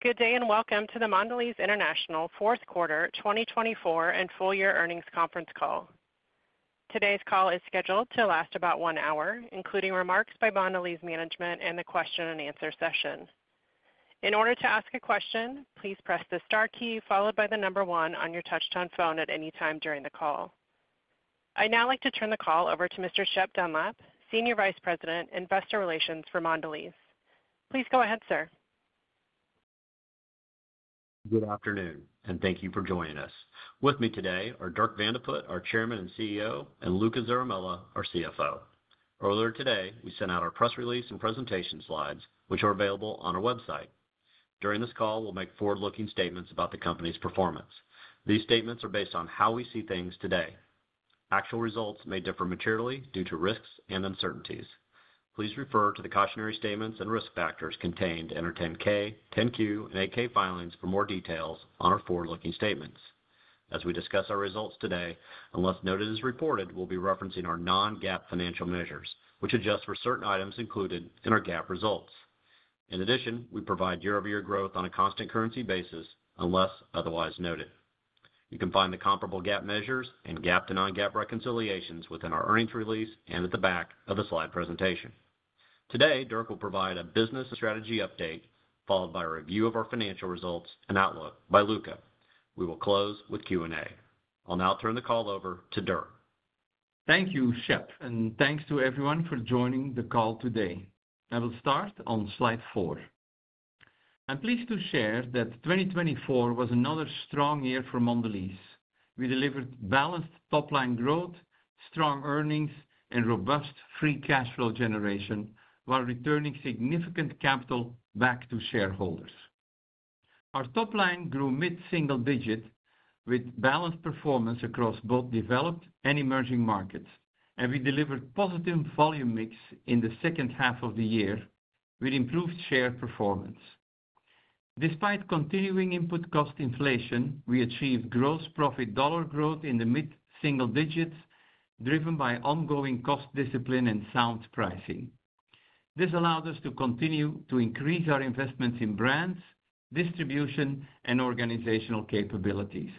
Good day and welcome to the Mondelēz International Fourth Quarter 2024 and Full Year Earnings Conference Call. Today's call is scheduled to last about one hour, including remarks by Mondelēz management and the question and answer session. In order to ask a question, please press the star key followed by the number one on your touch-tone phone at any time during the call. I'd now like to turn the call over to Mr. Shep Dunlap, Senior Vice President, Investor Relations for Mondelēz. Please go ahead, sir. Good afternoon, and thank you for joining us. With me today are Dirk Van de Put, our Chairman and CEO, and Luca Zaramella, our CFO. Earlier today, we sent out our press release and presentation slides, which are available on our website. During this call, we'll make forward-looking statements about the company's performance. These statements are based on how we see things today. Actual results may differ materially due to risks and uncertainties. Please refer to the cautionary statements and risk factors contained in our 10-K, 10-Q, and 8-K filings for more details on our forward-looking statements. As we discuss our results today, unless noted as reported, we'll be referencing our non-GAAP financial measures, which adjust for certain items included in our GAAP results. In addition, we provide year-over-year growth on a constant currency basis unless otherwise noted. You can find the comparable GAAP measures and GAAP to non-GAAP reconciliations within our earnings release and at the back of the slide presentation. Today, Dirk will provide a business strategy update followed by a review of our financial results and outlook by Luca. We will close with Q&A. I'll now turn the call over to Dirk. Thank you, Shep, and thanks to everyone for joining the call today. I will start on slide four. I'm pleased to share that 2024 was another strong year for Mondelēz. We delivered balanced top-line growth, strong earnings, and robust free cash flow generation while returning significant capital back to shareholders. Our top-line grew mid-single digit with balanced performance across both developed and emerging markets, and we delivered positive volume mix in the second half of the year with improved share performance. Despite continuing input cost inflation, we achieved gross profit dollar growth in the mid-single digits driven by ongoing cost discipline and sound pricing. This allowed us to continue to increase our investments in brands, distribution, and organizational capabilities.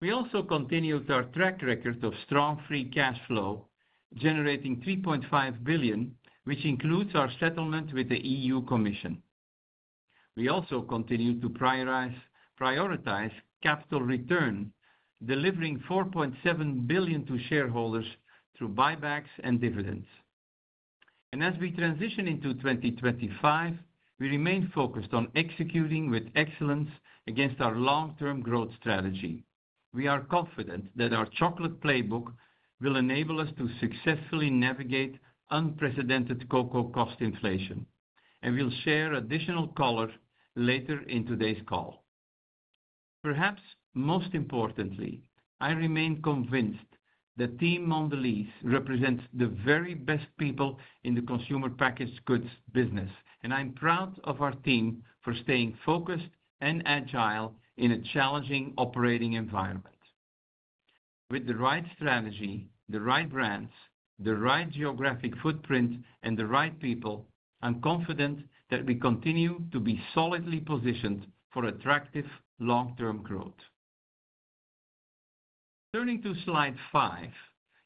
We also continued our track record of strong free cash flow, generating $3.5 billion, which includes our settlement with the European Commission. We also continue to prioritize capital return, delivering $4.7 billion to shareholders through buybacks and dividends. As we transition into 2025, we remain focused on executing with excellence against our long-term growth strategy. We are confident that our chocolate playbook will enable us to successfully navigate unprecedented cocoa cost inflation, and we'll share additional color later in today's call. Perhaps most importantly, I remain convinced the Mondelēz team represents the very best people in the consumer packaged goods business, and I'm proud of our team for staying focused and agile in a challenging operating environment. With the right strategy, the right brands, the right geographic footprint, and the right people, I'm confident that we continue to be solidly positioned for attractive long-term growth. Turning to slide five,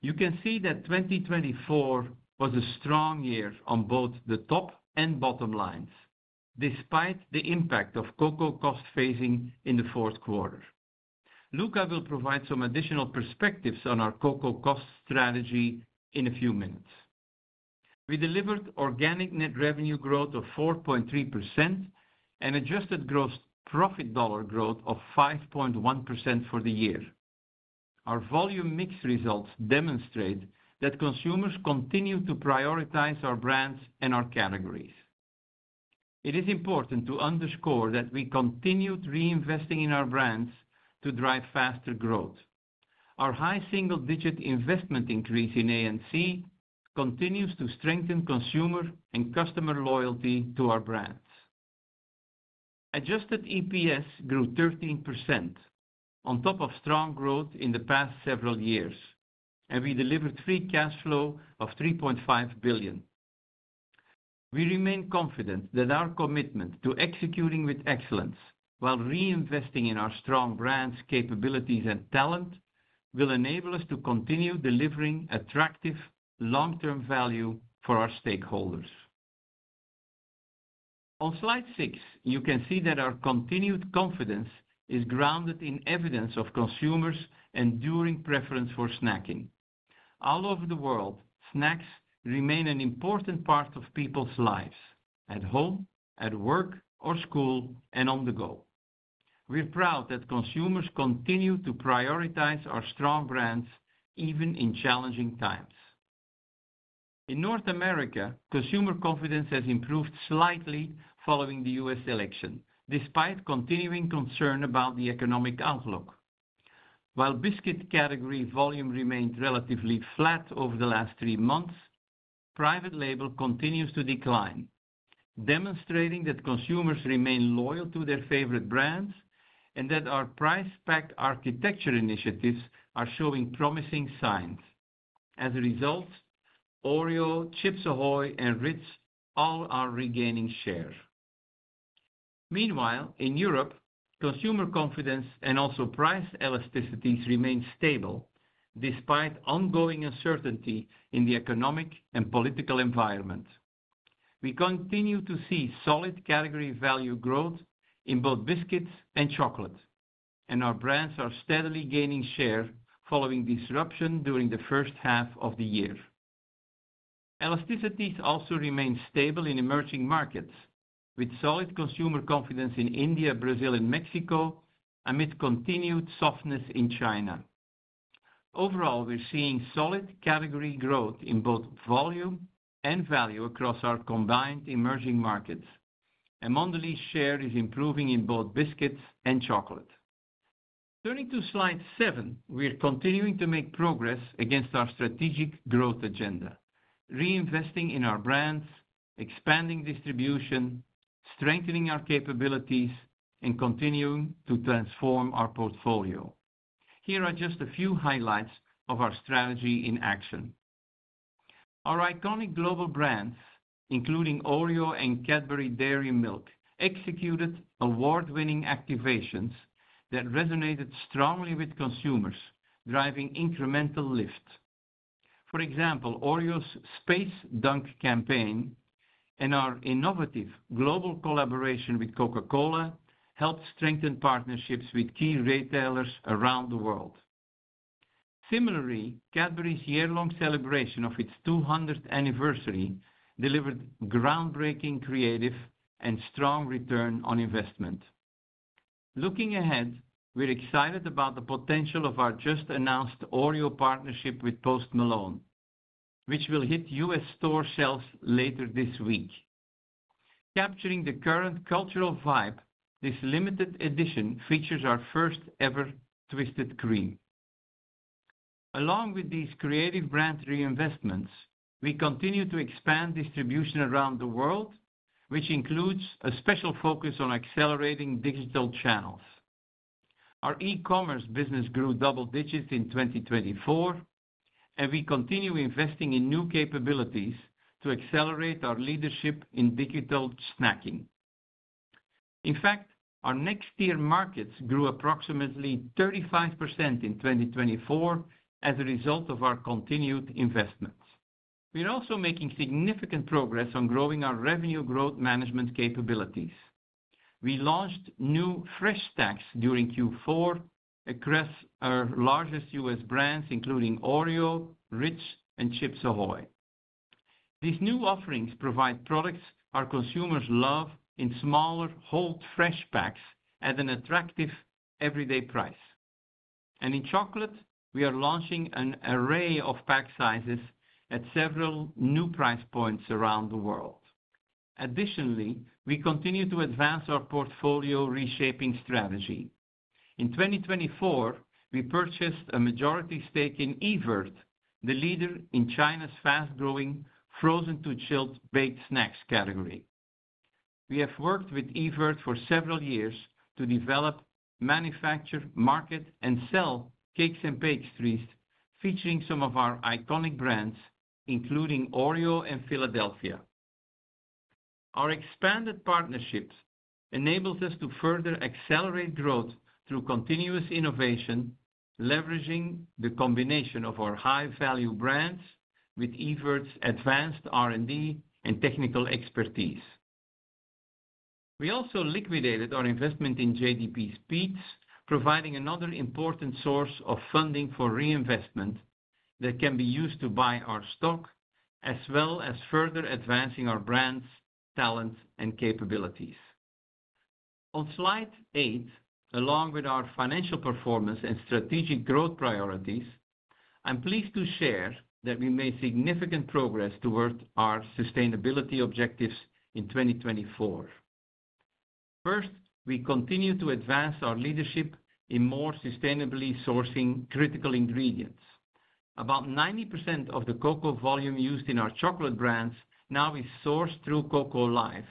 you can see that 2024 was a strong year on both the top and bottom lines despite the impact of cocoa cost phasing in the fourth quarter. Luca will provide some additional perspectives on our cocoa cost strategy in a few minutes. We delivered organic net revenue growth of 4.3% and adjusted gross profit dollar growth of 5.1% for the year. Our volume mix results demonstrate that consumers continue to prioritize our brands and our categories. It is important to underscore that we continued reinvesting in our brands to drive faster growth. Our high single-digit investment increase in A&C continues to strengthen consumer and customer loyalty to our brands. Adjusted EPS grew 13% on top of strong growth in the past several years, and we delivered free cash flow of $3.5 billion. We remain confident that our commitment to executing with excellence while reinvesting in our strong brands, capabilities, and talent will enable us to continue delivering attractive long-term value for our stakeholders. On slide six, you can see that our continued confidence is grounded in evidence of consumers' enduring preference for snacking. All over the world, snacks remain an important part of people's lives at home, at work, or school, and on the go. We're proud that consumers continue to prioritize our strong brands even in challenging times. In North America, consumer confidence has improved slightly following the U.S. election despite continuing concern about the economic outlook. While biscuit category volume remained relatively flat over the last three months, private label continues to decline, demonstrating that consumers remain loyal to their favorite brands and that our price pack architecture initiatives are showing promising signs. As a result, Oreo, Chips Ahoy!, and Ritz all are regaining share. Meanwhile, in Europe, consumer confidence and also price elasticities remain stable despite ongoing uncertainty in the economic and political environment. We continue to see solid category value growth in both biscuits and chocolate, and our brands are steadily gaining share following disruption during the first half of the year. Elasticities also remain stable in emerging markets with solid consumer confidence in India, Brazil, and Mexico amid continued softness in China. Overall, we're seeing solid category growth in both volume and value across our combined emerging markets, and Mondelēz's share is improving in both biscuits and chocolate. Turning to slide seven, we're continuing to make progress against our strategic growth agenda, reinvesting in our brands, expanding distribution, strengthening our capabilities, and continuing to transform our portfolio. Here are just a few highlights of our strategy in action. Our iconic global brands, including Oreo and Cadbury Dairy Milk, executed award-winning activations that resonated strongly with consumers, driving incremental lift. For example, Oreo's Space Dunk campaign and our innovative global collaboration with Coca-Cola helped strengthen partnerships with key retailers around the world. Similarly, Cadbury's year-long celebration of its 200th anniversary delivered groundbreaking creative and strong return on investment. Looking ahead, we're excited about the potential of our just announced Oreo partnership with Post Malone, which will hit U.S. store shelves later this week. Capturing the current cultural vibe, this limited edition features our first-ever twisted cream. Along with these creative brand reinvestments, we continue to expand distribution around the world, which includes a special focus on accelerating digital channels. Our e-commerce business grew double digits in 2024, and we continue investing in new capabilities to accelerate our leadership in digital snacking. In fact, our next-tier markets grew approximately 35% in 2024 as a result of our continued investments. We're also making significant progress on growing our revenue growth management capabilities. We launched new Fresh Stacks during Q4 across our largest U.S. brands, including Oreo, Ritz, and Chips Ahoy!. These new offerings provide products our consumers love in smaller whole fresh packs at an attractive everyday price. And in chocolate, we are launching an array of pack sizes at several new price points around the world. Additionally, we continue to advance our portfolio reshaping strategy. In 2024, we purchased a majority stake in Evirth, the leader in China's fast-growing frozen to chilled baked snacks category. We have worked with Evirth for several years to develop, manufacture, market, and sell cakes and pastries featuring some of our iconic brands, including Oreo and Philadelphia. Our expanded partnership enables us to further accelerate growth through continuous innovation, leveraging the combination of our high-value brands with Evirth's advanced R&D and technical expertise. We also liquidated our investment in JDE Peet's, providing another important source of funding for reinvestment that can be used to buy our stock, as well as further advancing our brands, talent, and capabilities. On slide eight, along with our financial performance and strategic growth priorities, I'm pleased to share that we made significant progress toward our sustainability objectives in 2024. First, we continue to advance our leadership in more sustainably sourcing critical ingredients. About 90% of the cocoa volume used in our chocolate brands now is sourced through Cocoa Life,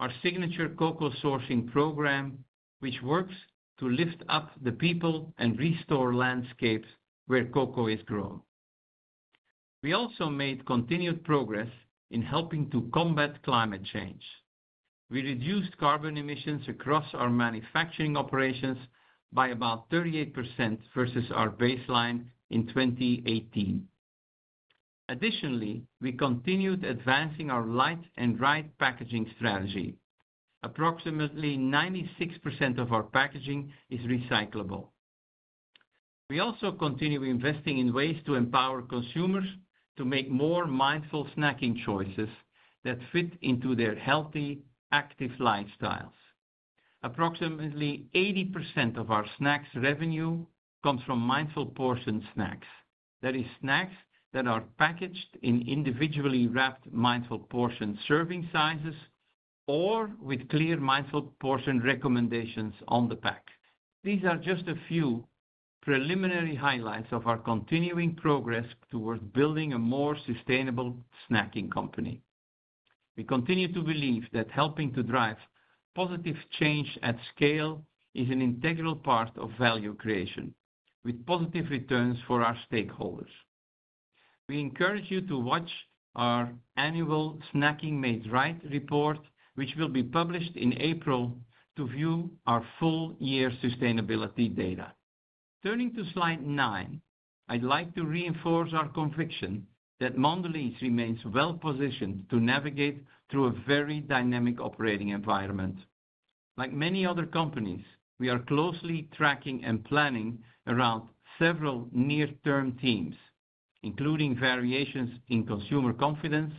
our signature cocoa sourcing program, which works to lift up the people and restore landscapes where cocoa is grown. We also made continued progress in helping to combat climate change. We reduced carbon emissions across our manufacturing operations by about 38% versus our baseline in 2018. Additionally, we continued advancing our light and right packaging strategy. Approximately 96% of our packaging is recyclable. We also continue investing in ways to empower consumers to make more mindful snacking choices that fit into their healthy, active lifestyles. Approximately 80% of our snacks revenue comes from mindful portion snacks, that is, snacks that are packaged in individually wrapped mindful portion serving sizes or with clear mindful portion recommendations on the pack. These are just a few preliminary highlights of our continuing progress toward building a more sustainable snacking company. We continue to believe that helping to drive positive change at scale is an integral part of value creation with positive returns for our stakeholders. We encourage you to watch our annual Snacking Made Right report, which will be published in April to view our full year's sustainability data. Turning to slide nine, I'd like to reinforce our conviction that Mondelēz remains well-positioned to navigate through a very dynamic operating environment. Like many other companies, we are closely tracking and planning around several near-term themes, including variations in consumer confidence,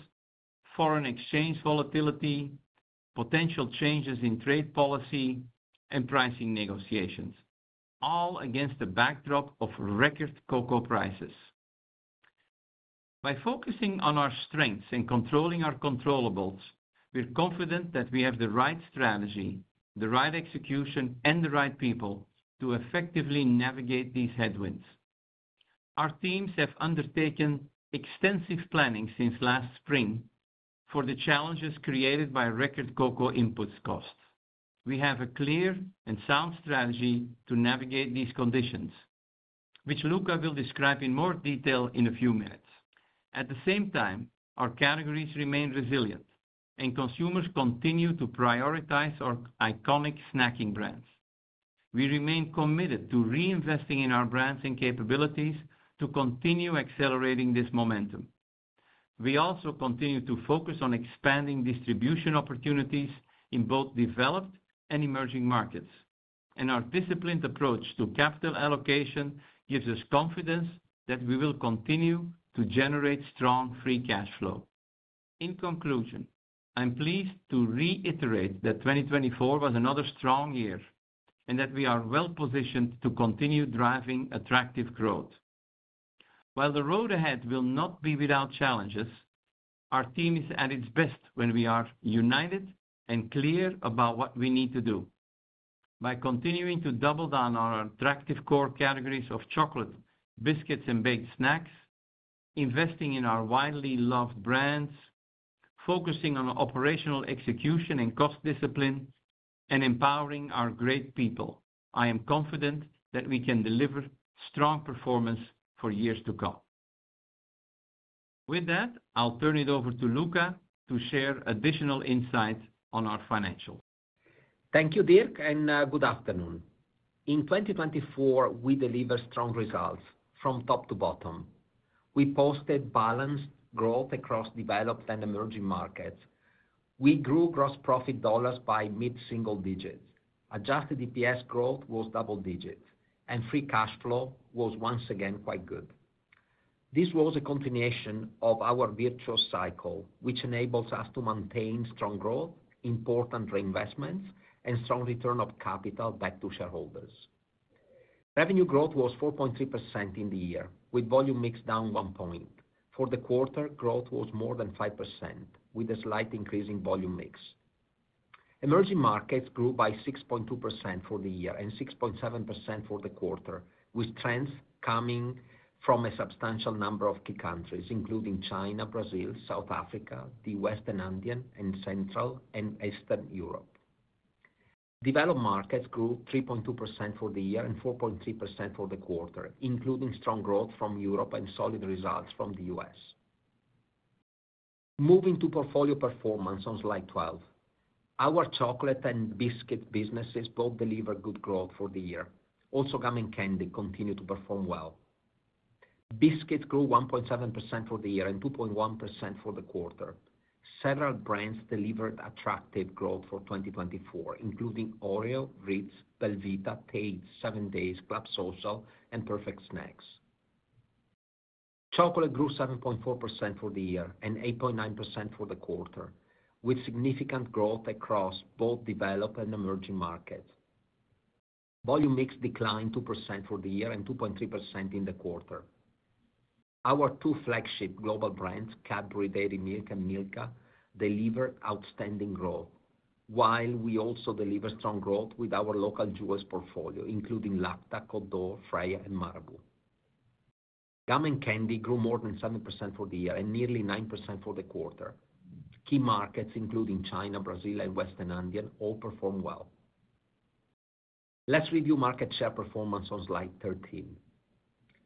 foreign exchange volatility, potential changes in trade policy, and pricing negotiations, all against the backdrop of record cocoa prices. By focusing on our strengths and controlling our controllable, we're confident that we have the right strategy, the right execution, and the right people to effectively navigate these headwinds. Our teams have undertaken extensive planning since last spring for the challenges created by record cocoa input costs. We have a clear and sound strategy to navigate these conditions, which Luca will describe in more detail in a few minutes. At the same time, our categories remain resilient, and consumers continue to prioritize our iconic snacking brands. We remain committed to reinvesting in our brands and capabilities to continue accelerating this momentum. We also continue to focus on expanding distribution opportunities in both developed and emerging markets, and our disciplined approach to capital allocation gives us confidence that we will continue to generate strong free cash flow. In conclusion, I'm pleased to reiterate that 2024 was another strong year and that we are well-positioned to continue driving attractive growth. While the road ahead will not be without challenges, our team is at its best when we are united and clear about what we need to do by continuing to double down on our attractive core categories of chocolate, biscuits, and baked snacks, investing in our widely loved brands, focusing on operational execution and cost discipline, and empowering our great people. I am confident that we can deliver strong performance for years to come. With that, I'll turn it over to Luca to share additional insights on our financials. Thank you, Dirk, and good afternoon. In 2024, we delivered strong results from top to bottom. We posted balanced growth across developed and emerging markets. We grew gross profit dollars by mid-single digits. Adjusted EPS growth was double digits, and free cash flow was once again quite good. This was a continuation of our virtuous cycle, which enables us to maintain strong growth, important reinvestments, and strong return of capital back to shareholders. Revenue growth was 4.3% in the year, with volume mix down one point. For the quarter, growth was more than 5%, with a slight increase in volume mix. Emerging markets grew by 6.2% for the year and 6.7% for the quarter, with trends coming from a substantial number of key countries, including China, Brazil, South Africa, the Western Andean, and Central and Eastern Europe. Developed markets grew 3.2% for the year and 4.3% for the quarter, including strong growth from Europe and solid results from the U.S. Moving to portfolio performance on slide 12, our chocolate and biscuit businesses both delivered good growth for the year. Also, gum and candy continued to perform well. Biscuits grew 1.7% for the year and 2.1% for the quarter. Several brands delivered attractive growth for 2024, including Oreo, Ritz, Belvita, Tate's, 7Days, Club Social, and Perfect Snacks. Chocolate grew 7.4% for the year and 8.9% for the quarter, with significant growth across both developed and emerging markets. Volume/mix declined 2% for the year and 2.3% in the quarter. Our two flagship global brands, Cadbury Dairy Milk and Milka, delivered outstanding growth, while we also delivered strong growth with our local jewels portfolio, including Lacta, Côte d'Or, Freia, and Marabou. Gum and candy grew more than 7% for the year and nearly 9% for the quarter. Key markets, including China, Brazil, and Western Andean, all performed well. Let's review market share performance on slide 13.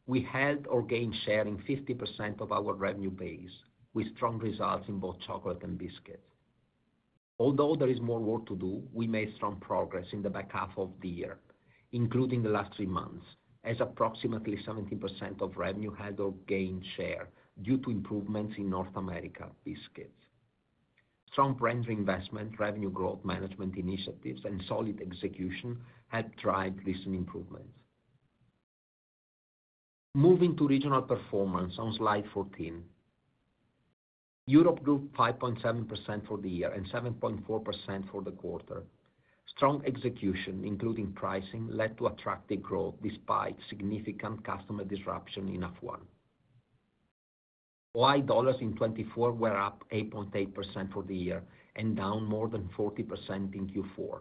We held or gained share in 50% of our revenue base, with strong results in both chocolate and biscuits. Although there is more work to do, we made strong progress in the back half of the year, including the last three months, as approximately 17% of revenue held or gained share due to improvements in North America biscuits. Strong brand reinvestment, revenue growth management initiatives, and solid execution helped drive recent improvements. Moving to regional performance on slide 14, Europe grew 5.7% for the year and 7.4% for the quarter. Strong execution, including pricing, led to attractive growth despite significant customer disruption in H1. OI dollars in 2024 were up 8.8% for the year and down more than 40% in Q4.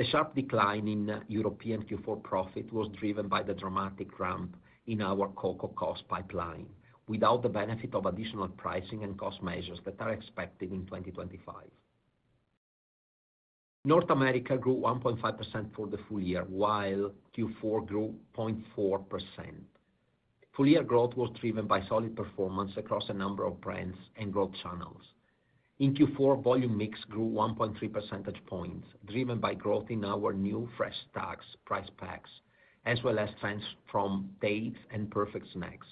The sharp decline in European Q4 profit was driven by the dramatic ramp in our cocoa cost pipeline, without the benefit of additional pricing and cost measures that are expected in 2025. North America grew 1.5% for the full year, while Q4 grew 0.4%. Full year growth was driven by solid performance across a number of brands and growth channels. In Q4, volume mix grew 1.3 percentage points, driven by growth in our new Fresh Stacks, price packs, as well as trends from Tate's and Perfect Snacks.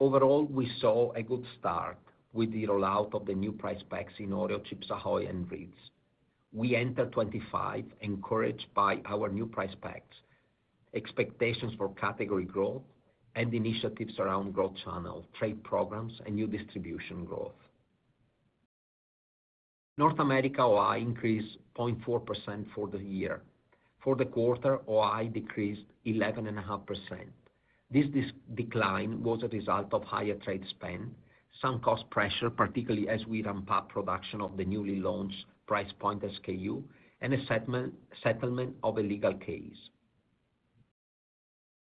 Overall, we saw a good start with the rollout of the new price packs in Oreo, Chips Ahoy!, and Ritz. We entered 2025 encouraged by our new price packs, expectations for category growth, and initiatives around growth channel, trade programs, and new distribution growth. North America OI increased 0.4% for the year. For the quarter, OI decreased 11.5%. This decline was a result of higher trade spend, some cost pressure, particularly as we ramp up production of the newly launched price point SKU, and a settlement of a legal case.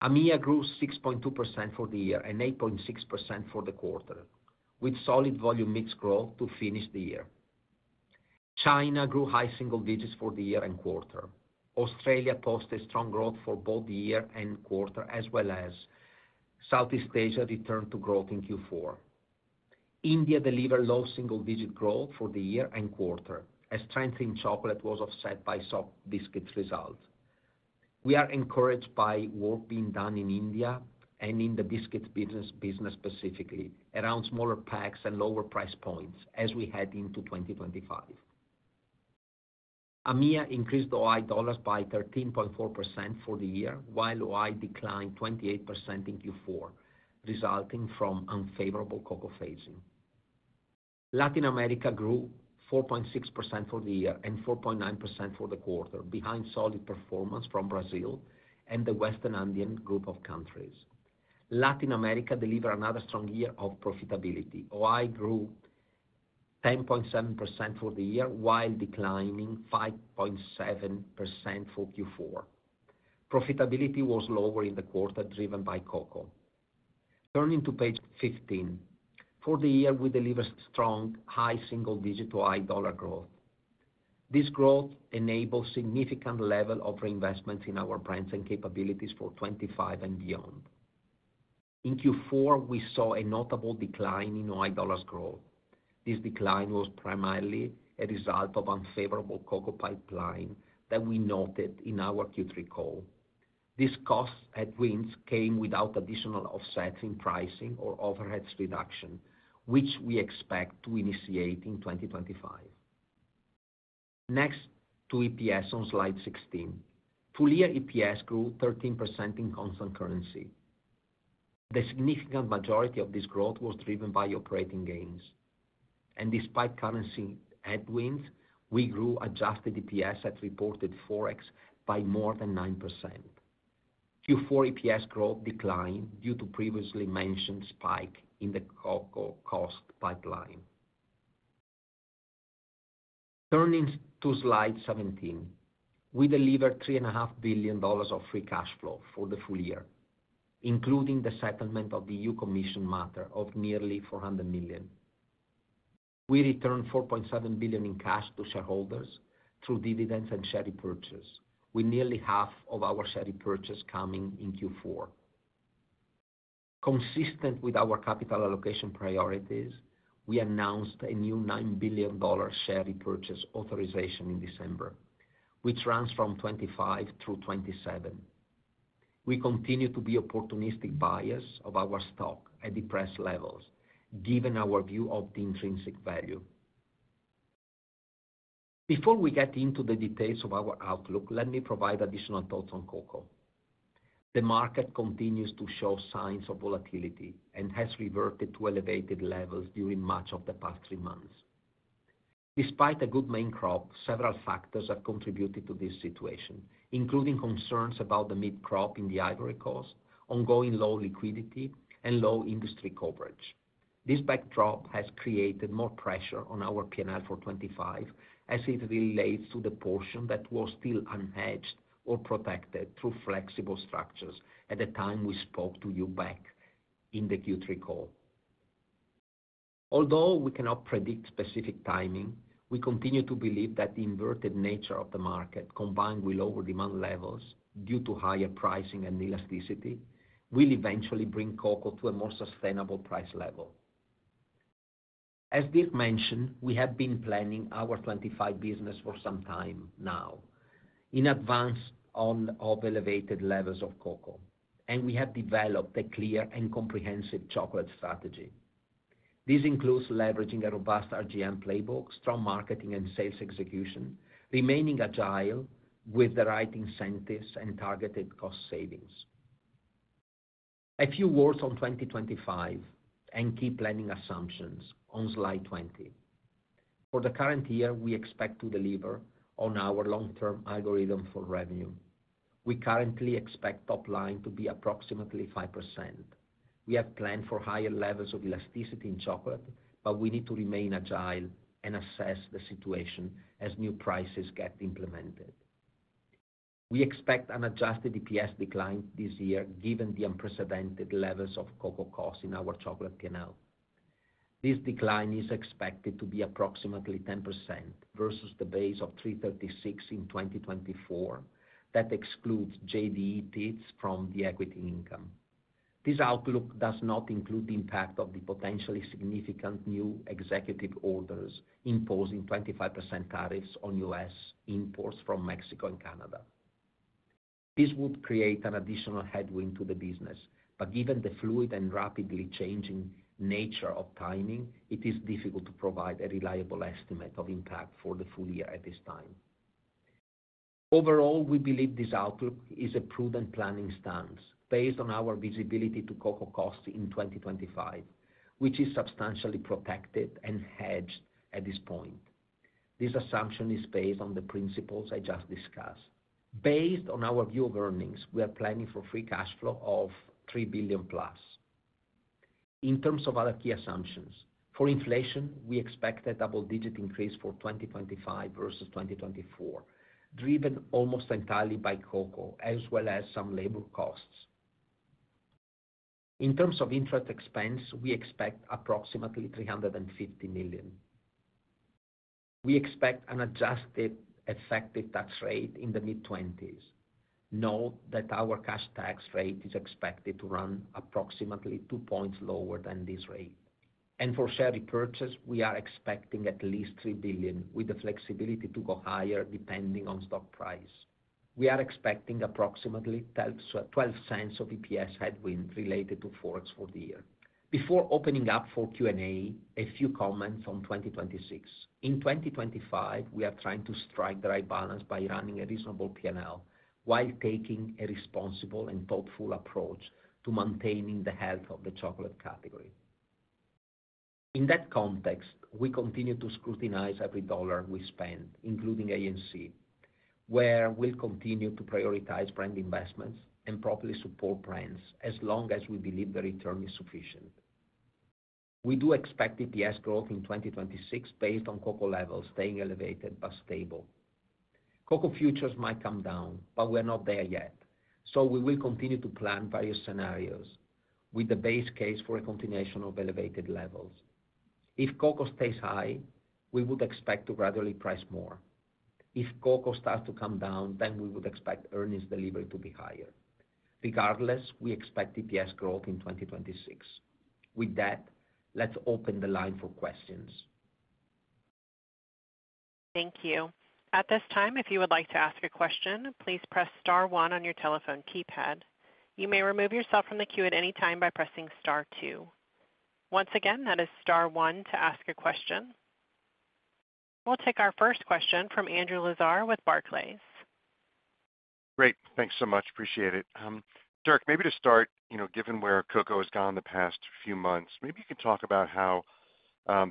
AMEA grew 6.2% for the year and 8.6% for the quarter, with solid volume mix growth to finish the year. China grew high single digits for the year and quarter. Australia posted strong growth for both the year and quarter, as well as Southeast Asia returned to growth in Q4. India delivered low single digit growth for the year and quarter. A strength in chocolate was offset by soft biscuits result. We are encouraged by work being done in India and in the biscuits business specifically around smaller packs and lower price points as we head into 2025. AMEA increased OI dollars by 13.4% for the year, while OI declined 28% in Q4, resulting from unfavorable cocoa phasing. Latin America grew 4.6% for the year and 4.9% for the quarter, behind solid performance from Brazil and the Western Andean group of countries. Latin America delivered another strong year of profitability. OI grew 10.7% for the year, while declining 5.7% for Q4. Profitability was lower in the quarter, driven by cocoa. Turning to page 15, for the year, we delivered strong, high single digit OI dollar growth. This growth enabled a significant level of reinvestment in our brands and capabilities for 2025 and beyond. In Q4, we saw a notable decline in OI dollars growth. This decline was primarily a result of unfavorable cocoa pipeline that we noted in our Q3 call. These cost wins came without additional offsets in pricing or overheads reduction, which we expect to initiate in 2025. Next to EPS on slide 16, full year EPS grew 13% in constant currency. The significant majority of this growth was driven by operating gains, and despite currency headwinds, we grew adjusted EPS at reported forex by more than 9%. Q4 EPS growth declined due to previously mentioned spike in the cocoa cost pipeline. Turning to slide 17, we delivered $3.5 billion of free cash flow for the full year, including the settlement of the European Commission matter of nearly $400 million. We returned $4.7 billion in cash to shareholders through dividends and share repurchase, with nearly half of our share repurchase coming in Q4. Consistent with our capital allocation priorities, we announced a new $9 billion share repurchase authorization in December, which runs from 2025 through 2027. We continue to be opportunistic buyers of our stock at depressed levels, given our view of the intrinsic value. Before we get into the details of our outlook, let me provide additional thoughts on cocoa. The market continues to show signs of volatility and has reverted to elevated levels during much of the past three months. Despite a good main crop, several factors have contributed to this situation, including concerns about the mid-crop in the Ivory Coast, ongoing low liquidity, and low industry coverage. This backdrop has created more pressure on our P&L for 2025, as it relates to the portion that was still unhedged or protected through flexible structures at the time we spoke to you back in the Q3 call. Although we cannot predict specific timing, we continue to believe that the inverted nature of the market, combined with lower demand levels due to higher pricing and elasticity, will eventually bring cocoa to a more sustainable price level. As Dirk mentioned, we have been planning our 2025 business for some time now, in advance of elevated levels of cocoa, and we have developed a clear and comprehensive chocolate strategy. This includes leveraging a robust RGM playbook, strong marketing, and sales execution, remaining agile with the right incentives and targeted cost savings. A few words on 2025 and key planning assumptions on slide 20. For the current year, we expect to deliver on our long-term algorithm for revenue. We currently expect top line to be approximately 5%. We have planned for higher levels of elasticity in chocolate, but we need to remain agile and assess the situation as new prices get implemented. We expect an Adjusted EPS decline this year, given the unprecedented levels of cocoa cost in our chocolate P&L. This decline is expected to be approximately 10% versus the base of $3.36 in 2024 that excludes JDE Peet's from the equity income. This outlook does not include the impact of the potentially significant new executive orders imposing 25% tariffs on U.S. imports from Mexico and Canada. This would create an additional headwind to the business, but given the fluid and rapidly changing nature of timing, it is difficult to provide a reliable estimate of impact for the full year at this time. Overall, we believe this outlook is a prudent planning stance based on our visibility to cocoa cost in 2025, which is substantially protected and hedged at this point. This assumption is based on the principles I just discussed. Based on our view of earnings, we are planning for free cash flow of $3 billion plus. In terms of other key assumptions, for inflation, we expect a double-digit increase for 2025 versus 2024, driven almost entirely by cocoa, as well as some labor costs. In terms of interest expense, we expect approximately $350 million. We expect an adjusted effective tax rate in the mid-20s%. Note that our cash tax rate is expected to run approximately two points lower than this rate, and for share repurchase, we are expecting at least $3 billion, with the flexibility to go higher depending on stock price. We are expecting approximately $0.12 of EPS headwind related to forex for the year. Before opening up for Q&A, a few comments on 2026. In 2025, we are trying to strike the right balance by running a reasonable P&L while taking a responsible and thoughtful approach to maintaining the health of the chocolate category. In that context, we continue to scrutinize every dollar we spend, including A&C, where we'll continue to prioritize brand investments and properly support brands as long as we believe the return is sufficient. We do expect EPS growth in 2026 based on cocoa levels staying elevated but stable. Cocoa futures might come down, but we're not there yet, so we will continue to plan various scenarios with the base case for a continuation of elevated levels. If cocoa stays high, we would expect to gradually price more. If cocoa starts to come down, then we would expect earnings delivery to be higher. Regardless, we expect EPS growth in 2026. With that, let's open the line for questions. Thank you. At this time, if you would like to ask a question, please press star one on your telephone keypad. You may remove yourself from the queue at any time by pressing star two. Once again, that is star one to ask a question. We'll take our first question from Andrew Lazar with Barclays. Great. Thanks so much. Appreciate it. Dirk, maybe to start, given where cocoa has gone the past few months, maybe you can talk about how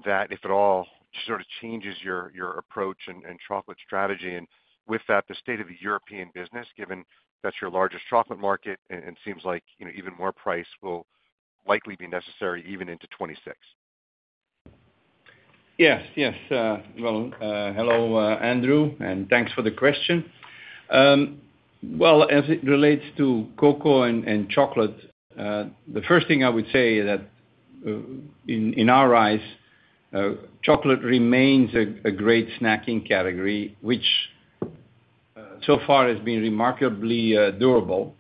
that, if at all, sort of changes your approach and chocolate strategy and with that, the state of the European business, given that's your largest chocolate market and seems like even more price will likely be necessary even into 2026? Yes, yes. Well, hello, Andrew, and thanks for the question. Well, as it relates to cocoa and chocolate, the first thing I would say that in our eyes, chocolate remains a great snacking category, which so far has been remarkably durable.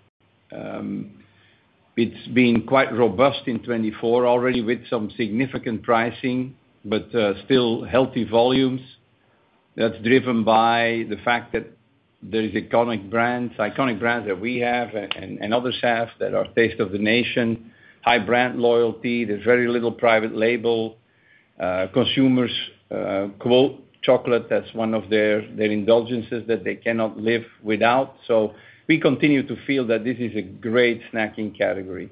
It's been quite robust in 2024 already with some significant pricing, but still healthy volumes. That's driven by the fact that there are iconic brands that we have and others have that are taste of the nation, high brand loyalty. There's very little private label. Consumers quote chocolate as one of their indulgences that they cannot live without. So we continue to feel that this is a great snacking category.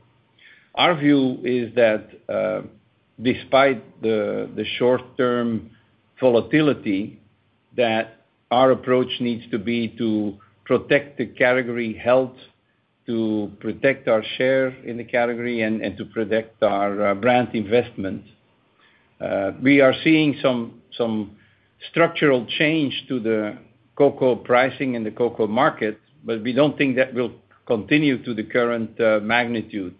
Our view is that despite the short-term volatility, that our approach needs to be to protect the category health, to protect our share in the category, and to protect our brand investment. We are seeing some structural change to the cocoa pricing and the cocoa market, but we don't think that will continue to the current magnitude.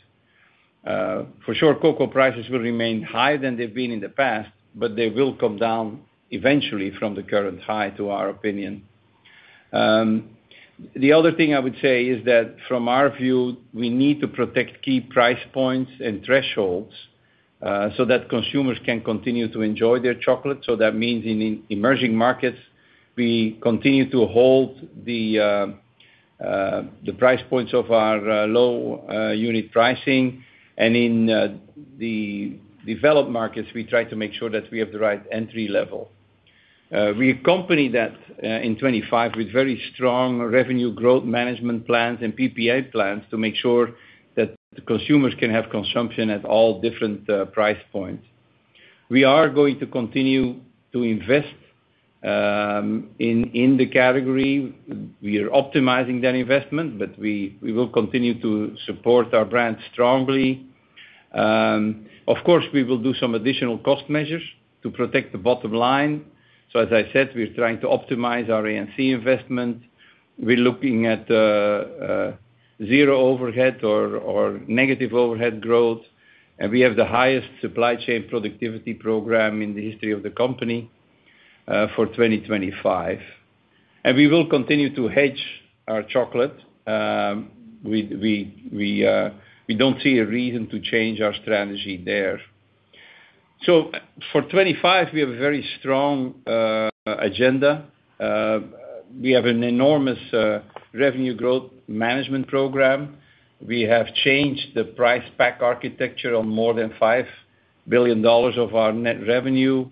For sure, cocoa prices will remain higher than they've been in the past, but they will come down eventually from the current high, to our opinion. The other thing I would say is that from our view, we need to protect key price points and thresholds so that consumers can continue to enjoy their chocolate. So that means in emerging markets, we continue to hold the price points of our low unit pricing, and in the developed markets, we try to make sure that we have the right entry level. We accompany that in 2025 with very strong revenue growth management plans and PPA plans to make sure that consumers can have consumption at all different price points. We are going to continue to invest in the category. We are optimizing that investment, but we will continue to support our brand strongly. Of course, we will do some additional cost measures to protect the bottom line. So as I said, we're trying to optimize our A&C investment. We're looking at zero overhead or negative overhead growth, and we have the highest supply chain productivity program in the history of the company for 2025, and we will continue to hedge our chocolate. We don't see a reason to change our strategy there, so for 2025, we have a very strong agenda. We have an enormous revenue growth management program. We have changed the price pack architecture on more than $5 billion of our net revenue.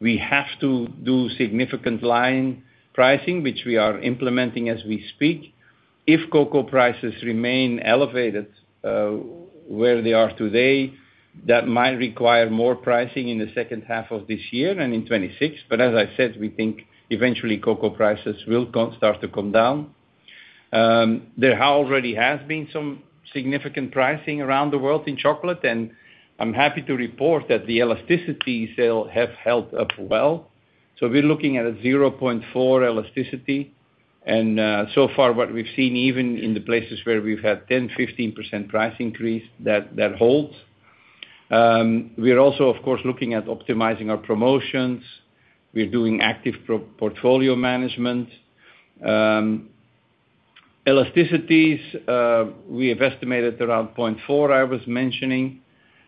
We have to do significant line pricing, which we are implementing as we speak. If cocoa prices remain elevated where they are today, that might require more pricing in the second half of this year and in 2026, but as I said, we think eventually cocoa prices will start to come down. There already has been some significant pricing around the world in chocolate, and I'm happy to report that the elasticity has held up well, so we're looking at a 0.4 elasticity, and so far what we've seen, even in the places where we've had 10%-15% price increase, that holds. We're also, of course, looking at optimizing our promotions. We're doing active portfolio management. Elasticities, we have estimated around 0.4, I was mentioning.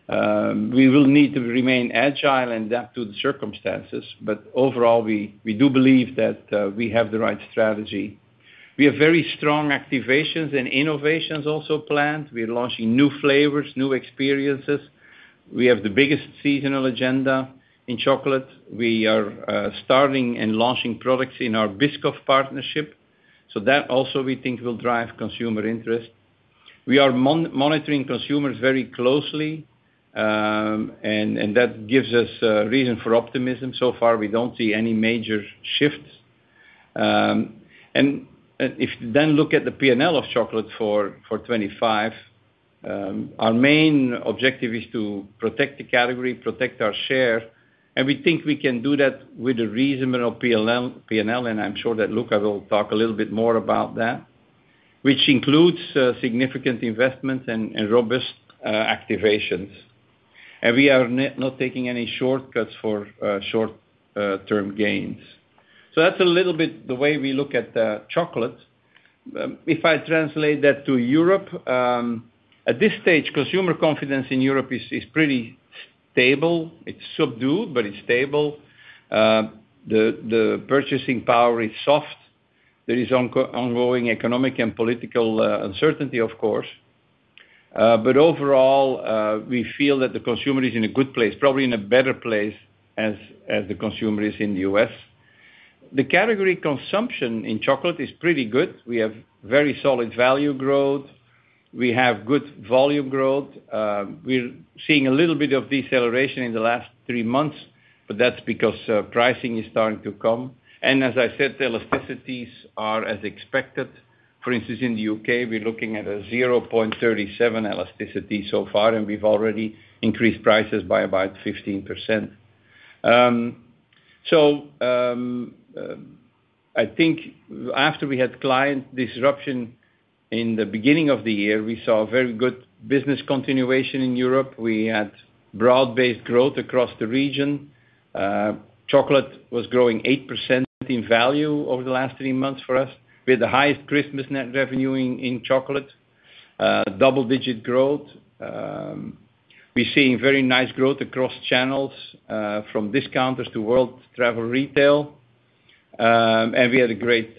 We will need to remain agile and adapt to the circumstances, but overall, we do believe that we have the right strategy. We have very strong activations and innovations also planned. We are launching new flavors, new experiences. We have the biggest seasonal agenda in chocolate. We are starting and launching products in our Biscoff partnership. So that also we think will drive consumer interest. We are monitoring consumers very closely, and that gives us a reason for optimism. So far, we don't see any major shifts. If you then look at the P&L of chocolate for 2025, our main objective is to protect the category, protect our share, and we think we can do that with a reasonable P&L, and I'm sure that Luca will talk a little bit more about that, which includes significant investments and robust activations. We are not taking any shortcuts for short-term gains. That's a little bit the way we look at chocolate. If I translate that to Europe, at this stage, consumer confidence in Europe is pretty stable. It's subdued, but it's stable. The purchasing power is soft. There is ongoing economic and political uncertainty, of course. But overall, we feel that the consumer is in a good place, probably in a better place as the consumer is in the U.S. The category consumption in chocolate is pretty good. We have very solid value growth. We have good volume growth. We're seeing a little bit of deceleration in the last three months, but that's because pricing is starting to come. And as I said, elasticities are as expected. For instance, in the U.K., we're looking at a 0.37 elasticity so far, and we've already increased prices by about 15%. So I think after we had client disruption in the beginning of the year, we saw very good business continuation in Europe. We had broad-based growth across the region. Chocolate was growing 8% in value over the last three months for us. We had the highest Christmas net revenue in chocolate, double-digit growth. We're seeing very nice growth across channels from discounters to world travel retail, and we had a great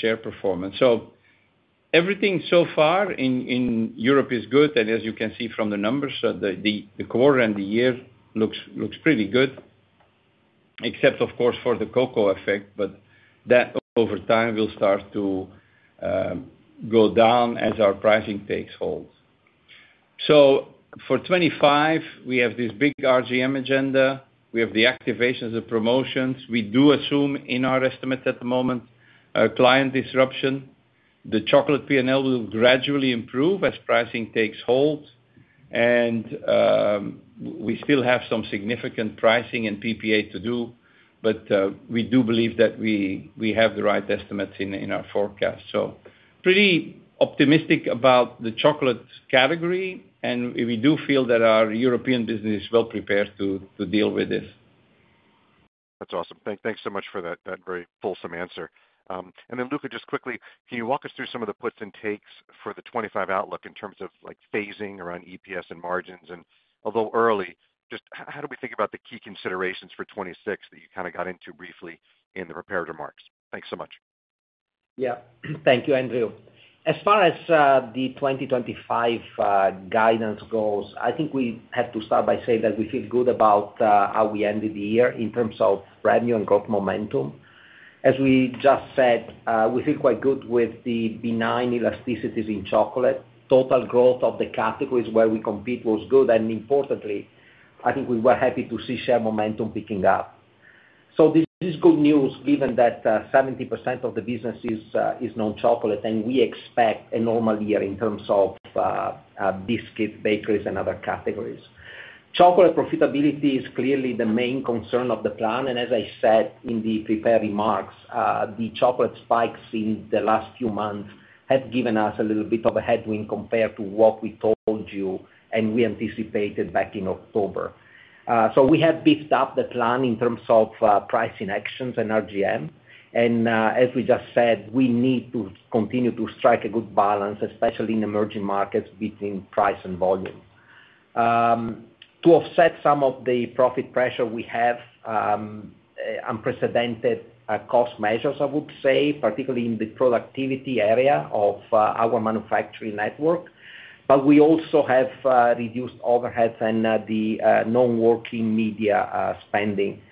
share performance. So everything so far in Europe is good, and as you can see from the numbers, the quarter and the year looks pretty good, except, of course, for the cocoa effect, but that over time will start to go down as our pricing takes hold. So for 2025, we have this big RGM agenda. We have the activations and promotions. We do assume in our estimates at the moment client disruption. The chocolate P&L will gradually improve as pricing takes hold, and we still have some significant pricing and PPA to do, but we do believe that we have the right estimates in our forecast. So pretty optimistic about the chocolate category, and we do feel that our European business is well prepared to deal with this. That's awesome. Thanks so much for that very fulsome answer. And then, Luca, just quickly, can you walk us through some of the puts and takes for the 2025 outlook in terms of phasing around EPS and margins? And although early, just how do we think about the key considerations for 2026 that you kind of got into briefly in the prepared remarks? Thanks so much. Yeah. Thank you, Andrew. As far as the 2025 guidance goes, I think we have to start by saying that we feel good about how we ended the year in terms of revenue and growth momentum. As we just said, we feel quite good with the benign elasticities in chocolate. Total growth of the categories where we compete was good, and importantly, I think we were happy to see share momentum picking up. This is good news given that 70% of the business is known chocolate, and we expect a normal year in terms of biscuits, bakeries, and other categories. Chocolate profitability is clearly the main concern of the plan, and as I said in the prepared remarks, the chocolate spikes in the last few months have given us a little bit of a headwind compared to what we told you and we anticipated back in October. We have beefed up the plan in terms of pricing actions and RGM, and as we just said, we need to continue to strike a good balance, especially in emerging markets between price and volume. To offset some of the profit pressure, we have unprecedented cost measures, I would say, particularly in the productivity area of our manufacturing network, but we also have reduced overheads and the non-working media spending.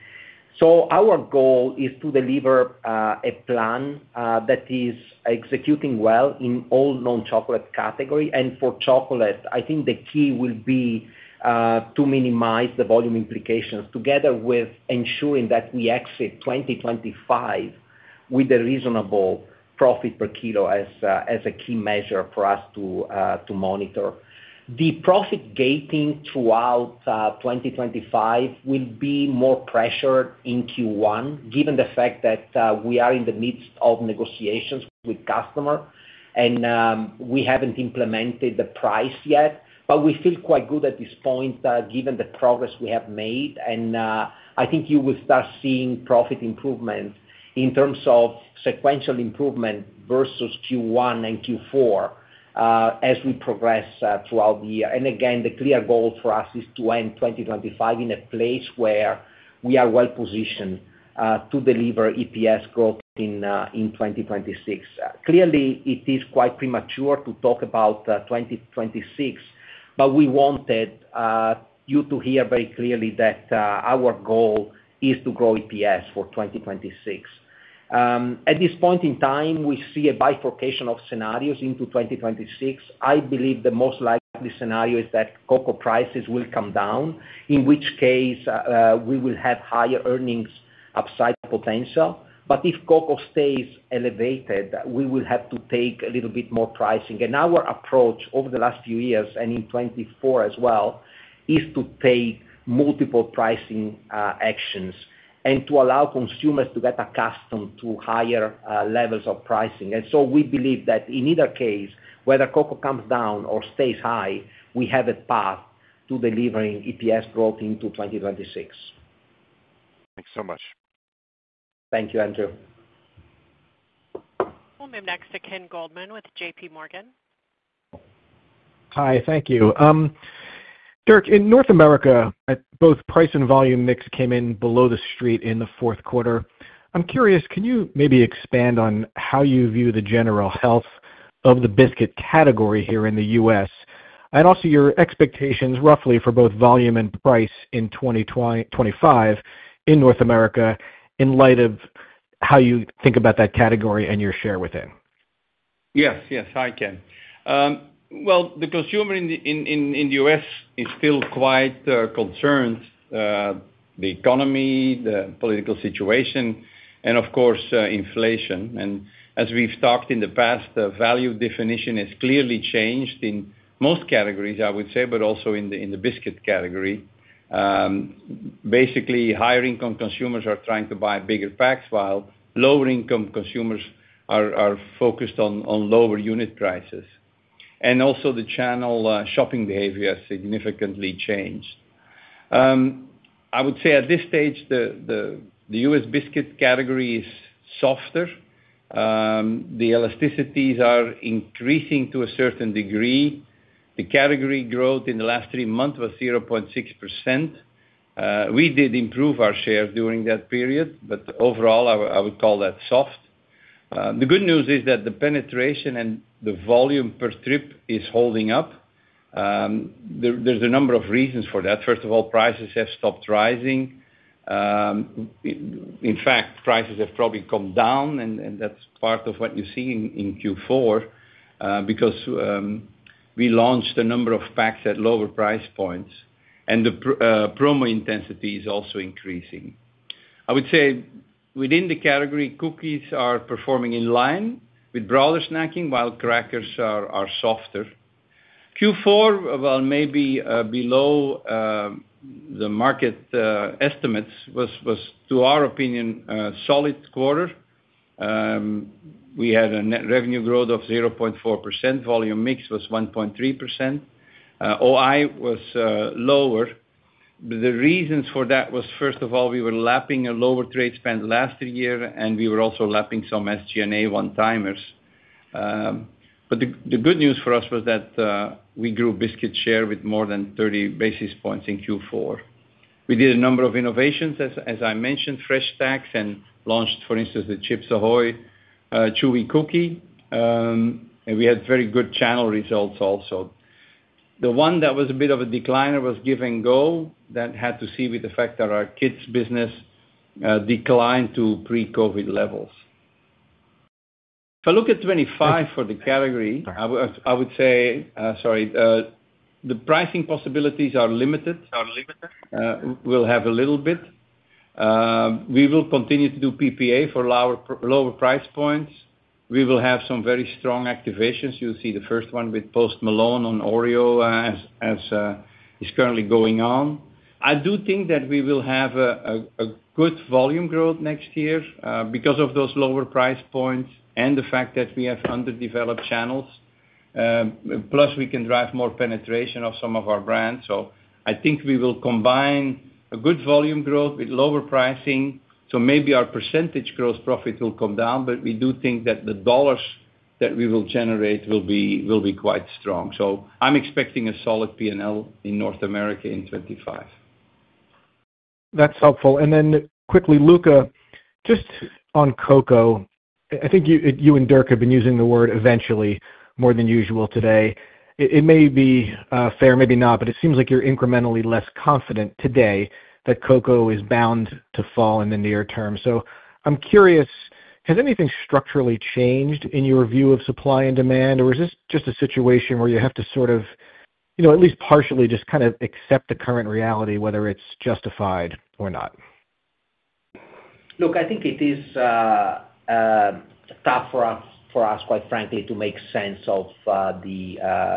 So our goal is to deliver a plan that is executing well in all non-chocolate categories. And for chocolate, I think the key will be to minimize the volume implications together with ensuring that we exit 2025 with a reasonable profit per kilo as a key measure for us to monitor. The profit gating throughout 2025 will be more pressured in Q1, given the fact that we are in the midst of negotiations with customers, and we haven't implemented the price yet, but we feel quite good at this point given the progress we have made. And I think you will start seeing profit improvements in terms of sequential improvement versus Q1 and Q4 as we progress throughout the year. And again, the clear goal for us is to end 2025 in a place where we are well positioned to deliver EPS growth in 2026. Clearly, it is quite premature to talk about 2026, but we wanted you to hear very clearly that our goal is to grow EPS for 2026. At this point in time, we see a bifurcation of scenarios into 2026. I believe the most likely scenario is that cocoa prices will come down, in which case we will have higher earnings upside potential. But if cocoa stays elevated, we will have to take a little bit more pricing. And our approach over the last few years and in 2024 as well is to take multiple pricing actions and to allow consumers to get accustomed to higher levels of pricing. And so we believe that in either case, whether cocoa comes down or stays high, we have a path to delivering EPS growth into 2026. Thanks so much. Thank you, Andrew. Welcome next to Ken Goldman with J.P. Morgan. Hi. Thank you. Dirk, in North America, both price and volume mix came in below the street in the fourth quarter. I'm curious, can you maybe expand on how you view the general health of the biscuit category here in the U.S. and also your expectations roughly for both volume and price in 2025 in North America in light of how you think about that category and your share within? Yes. Yes, I can. Well, the consumer in the U.S. is still quite concerned about the economy, the political situation, and of course, inflation. And as we've talked in the past, the value definition has clearly changed in most categories, I would say, but also in the biscuit category. Basically, higher-income consumers are trying to buy bigger packs, while lower-income consumers are focused on lower unit prices. And also, the channel shopping behavior has significantly changed. I would say at this stage, the U.S. biscuit category is softer. The elasticities are increasing to a certain degree. The category growth in the last three months was 0.6%. We did improve our share during that period, but overall, I would call that soft. The good news is that the penetration and the volume per trip is holding up. There's a number of reasons for that. First of all, prices have stopped rising. In fact, prices have probably come down, and that's part of what you see in Q4 because we launched a number of packs at lower price points, and the promo intensity is also increasing. I would say within the category, cookies are performing in line with broader snacking, while crackers are softer. Q4, while maybe below the market estimates, was, to our opinion, a solid quarter. We had a net revenue growth of 0.4%. Volume mix was 1.3%. OI was lower. The reasons for that was, first of all, we were lapping a lower trade spend last year, and we were also lapping some SG&A one-timers. But the good news for us was that we grew biscuit share with more than 30 basis points in Q4. We did a number of innovations, as I mentioned, Fresh Stacks, and launched, for instance, the Chips Ahoy! Chewy Cookie. We had very good channel results also. The one that was a bit of a decliner was Give & Go. That had to do with the fact that our kits business declined to pre-COVID levels. If I look at 2025 for the category, I would say, sorry, the pricing possibilities are limited. We'll have a little bit. We will continue to do PPA for lower price points. We will have some very strong activations. You'll see the first one with Post Malone on Oreo as is currently going on. I do think that we will have a good volume growth next year because of those lower price points and the fact that we have underdeveloped channels. Plus, we can drive more penetration of some of our brands. So I think we will combine a good volume growth with lower pricing. So maybe our percentage gross profit will come down, but we do think that the dollars that we will generate will be quite strong. So I'm expecting a solid P&L in North America in 2025. That's helpful, and then quickly, Luca, just on cocoa, I think you and Dirk have been using the word eventually more than usual today. It may be fair, maybe not, but it seems like you're incrementally less confident today that cocoa is bound to fall in the near term. So I'm curious, has anything structurally changed in your view of supply and demand, or is this just a situation where you have to sort of at least partially just kind of accept the current reality, whether it's justified or not? Look, I think it is tough for us, quite frankly, to make sense of the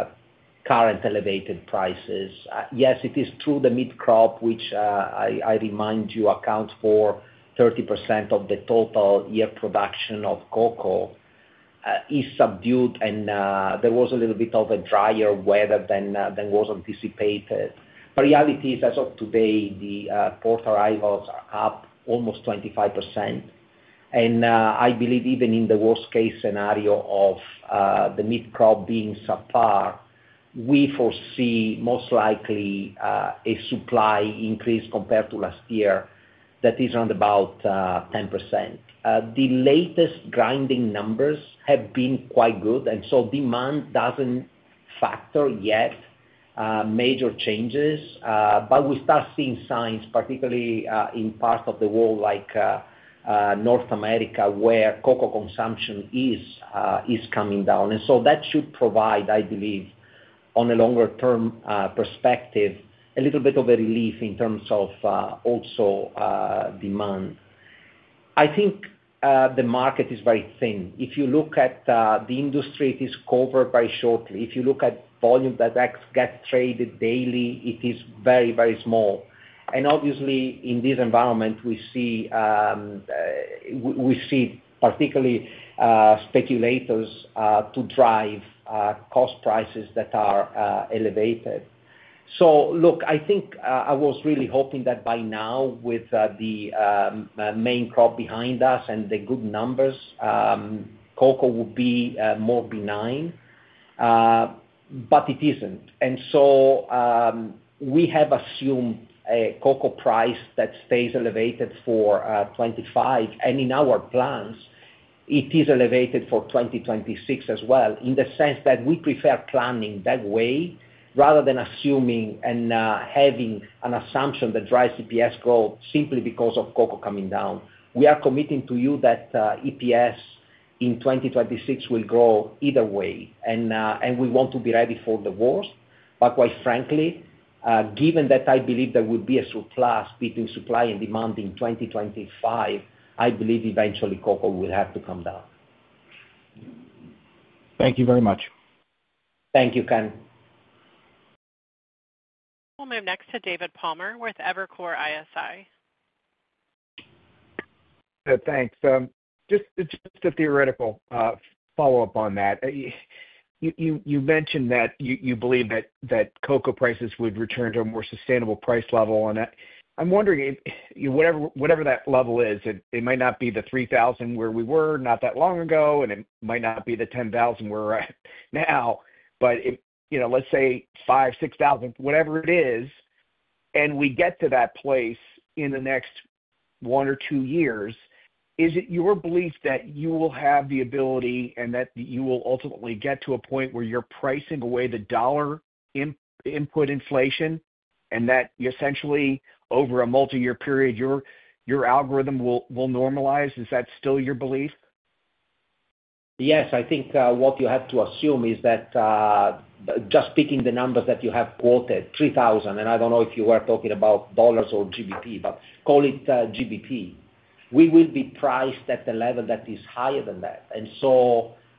current elevated prices. Yes, it is true the mid-crop, which I remind you accounts for 30% of the total year production of cocoa, is subdued, and there was a little bit of a drier weather than was anticipated. But reality is, as of today, the port arrivals are up almost 25%. And I believe even in the worst-case scenario of the mid-crop being subpar, we foresee most likely a supply increase compared to last year that is around about 10%. The latest grinding numbers have been quite good, and so demand doesn't reflect yet major changes, but we start seeing signs, particularly in parts of the world like North America, where cocoa consumption is coming down. And so that should provide, I believe, on a longer-term perspective, a little bit of a relief in terms of also demand. I think the market is very thin. If you look at the industry, it is covered by shorts. If you look at volume that gets traded daily, it is very, very small. And obviously, in this environment, we see particularly speculators to drive cost prices that are elevated. So look, I think I was really hoping that by now, with the Main Crop behind us and the good numbers, cocoa would be more benign, but it isn't. We have assumed a cocoa price that stays elevated for 2025, and in our plans, it is elevated for 2026 as well in the sense that we prefer planning that way rather than assuming and having an assumption that drives EPS growth simply because of cocoa coming down. We are committing to you that EPS in 2026 will grow either way, and we want to be ready for the worst. But quite frankly, given that I believe there will be a surplus between supply and demand in 2025, I believe eventually cocoa will have to come down. Thank you very much. Thank you, Ken. Welcome next to David Palmer with Evercore ISI. Thanks. Just a theoretical follow-up on that. You mentioned that you believe that cocoa prices would return to a more sustainable price level, and I'm wondering whatever that level is. It might not be the 3,000 where we were not that long ago, and it might not be the 10,000 where we're at now, but let's say 5,000, 6,000, whatever it is, and we get to that place in the next one or two years. Is it your belief that you will have the ability and that you will ultimately get to a point where you're pricing away the dollar input inflation and that essentially over a multi-year period, your algorithm will normalize? Is that still your belief? Yes. I think what you have to assume is that just picking the numbers that you have quoted, 3,000, and I don't know if you were talking about dollars or GBP, but call it GBP. We will be priced at the level that is higher than that.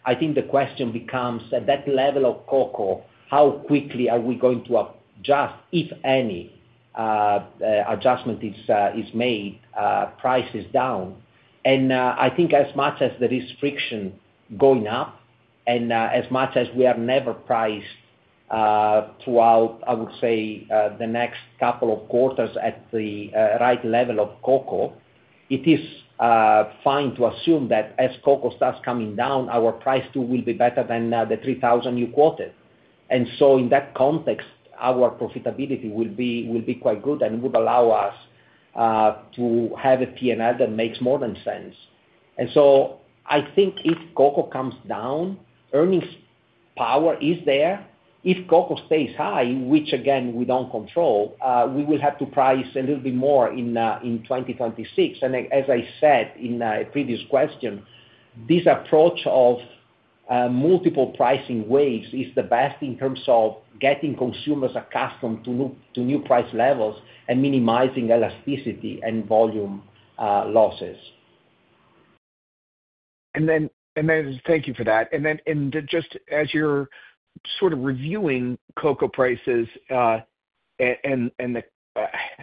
I think the question becomes, at that level of cocoa, how quickly are we going to adjust if any adjustment is made prices down. I think as much as there is friction going up and as much as we are never priced throughout, I would say the next couple of quarters at the right level of cocoa, it is fine to assume that as cocoa starts coming down, our price too will be better than the 3,000 you quoted. In that context, our profitability will be quite good and would allow us to have a P&L that makes more than sense. I think if cocoa comes down, earnings power is there. If cocoa stays high, which again, we don't control, we will have to price a little bit more in 2026. As I said in a previous question, this approach of multiple pricing waves is the best in terms of getting consumers accustomed to new price levels and minimizing elasticity and volume losses. Thank you for that. Just as you're sort of reviewing cocoa prices, and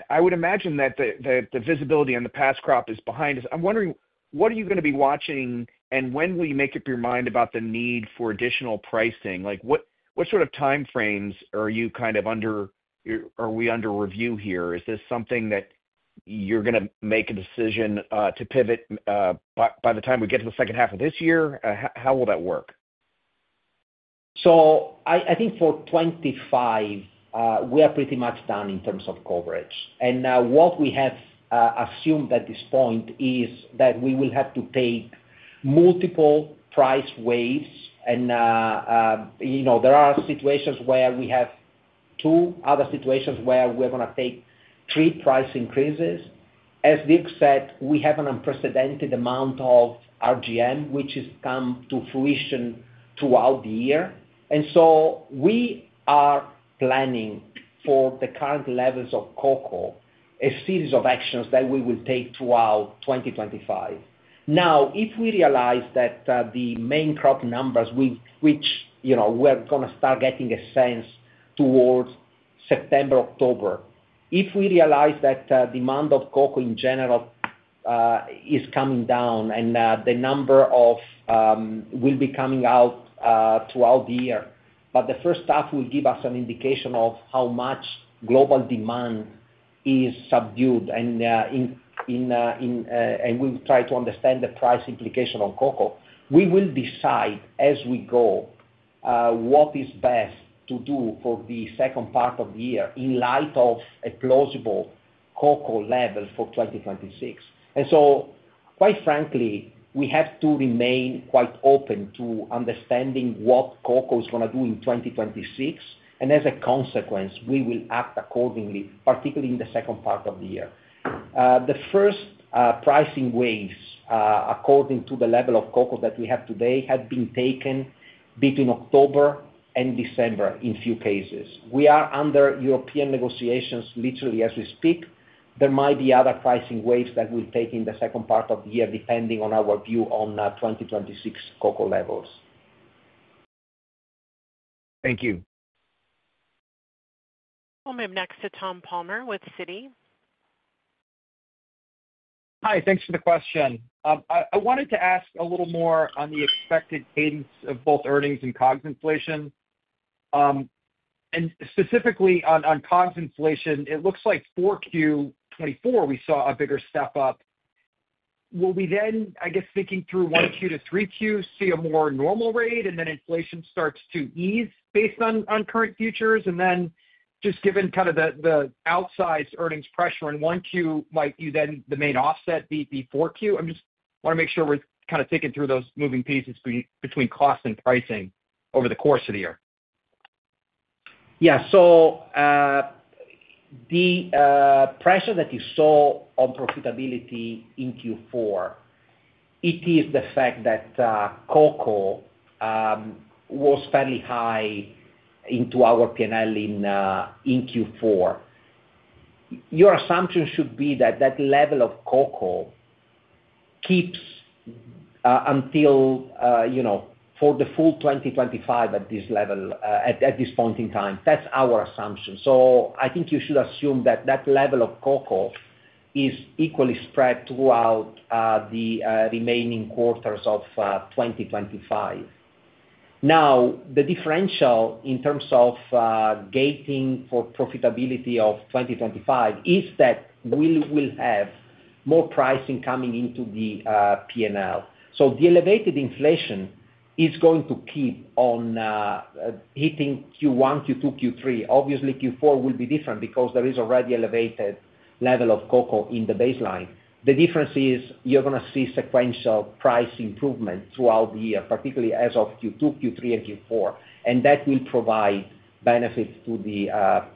I would imagine that the visibility on the past crop is behind us, I'm wondering, what are you going to be watching, and when will you make up your mind about the need for additional pricing? What sort of time frames are you kind of under? Are we under review here? Is this something that you're going to make a decision to pivot by the time we get to the second half of this year? How will that work? I think for 2025, we are pretty much done in terms of coverage. And what we have assumed at this point is that we will have to take multiple price waves. And there are situations where we have two other situations where we're going to take three price increases. As Dirk said, we have an unprecedented amount of RGM, which has come to fruition throughout the year. And so we are planning for the current levels of cocoa, a series of actions that we will take throughout 2025. Now, if we realize that the main crop numbers, which we're going to start getting a sense towards September, October, if we realize that demand of cocoa in general is coming down and the number will be coming out throughout the year, but the first stuff will give us an indication of how much global demand is subdued and we will try to understand the price implication on cocoa, we will decide as we go what is best to do for the second part of the year in light of a plausible cocoa level for 2026. And so quite frankly, we have to remain quite open to understanding what cocoa is going to do in 2026. And as a consequence, we will act accordingly, particularly in the second part of the year. The first pricing waves, according to the level of cocoa that we have today, had been taken between October and December in a few cases. We are under European negotiations literally as we speak. There might be other pricing waves that we'll take in the second part of the year depending on our view on 2026 cocoa levels. Thank you. Welcome next to Tom Palmer with Citi. Hi. Thanks for the question. I wanted to ask a little more on the expected cadence of both earnings and COGS inflation. And specifically on COGS inflation, it looks like 4Q24 we saw a bigger step up. Will we then, I guess, thinking through 1Q to 3Q, see a more normal rate and then inflation starts to ease based on current futures? And then just given kind of the outsized earnings pressure in 1Q, might you then the main offset be 4Q? I just want to make sure we're kind of thinking through those moving parts between cost and pricing over the course of the year. Yeah. So the pressure that you saw on profitability in Q4 is the fact that cocoa was fairly high into our P&L in Q4. Your assumption should be that that level of cocoa keeps in for the full 2025 at this level at this point in time. That's our assumption. So I think you should assume that that level of cocoa is equally spread throughout the remaining quarters of 2025. Now, the differential in terms of weighting for profitability of 2025 is that we will have more pricing coming into the P&L. So the elevated inflation is going to keep on hitting Q1, Q2, Q3. Obviously, Q4 will be different because there is already an elevated level of cocoa in the baseline. The difference is you're going to see sequential price improvement throughout the year, particularly as of Q2, Q3, and Q4. And that will provide benefits to the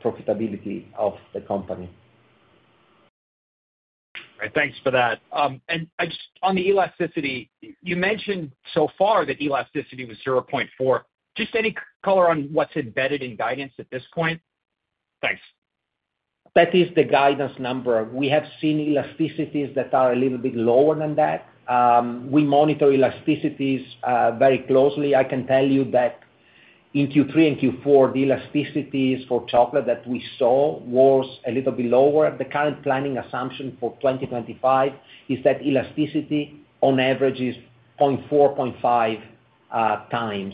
profitability of the company. All right. Thanks for that. And on the elasticity, you mentioned so far that elasticity was 0.4. Just any color on what's embedded in guidance at this point? Thanks. That is the guidance number. We have seen elasticities that are a little bit lower than that. We monitor elasticities very closely. I can tell you that in Q3 and Q4, the elasticities for chocolate that we saw was a little bit lower. The current planning assumption for 2025 is that elasticity on average is 0.4x, 0.5x.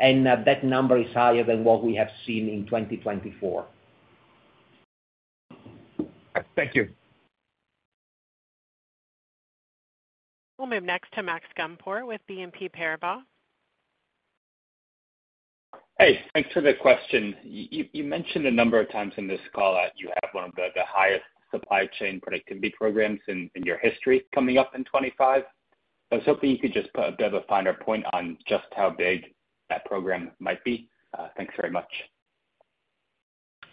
And that number is higher than what we have seen in 2024. Thank you. Welcome next to Max Gumport with BNP Paribas. Hey, thanks for the question. You mentioned a number of times in this call that you have one of the highest supply chain productivity programs in your history coming up in 2025. I was hoping you could just put a bit of a finer point on just how big that program might be. Thanks very much.